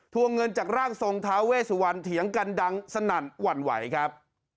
วงเงินจากร่างทรงท้าเวสุวรรณเถียงกันดังสนั่นหวั่นไหวครับ